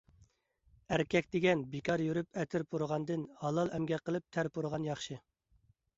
ئەركەك دېگەن بىكار يۈرۈپ ئەتىر پۇرىغاندىن، ھالال ئەمگەك قىلىپ تەر پۇرىغان ياخشى.